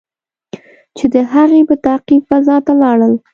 چې د هغې په تعقیب فضا ته لاړل.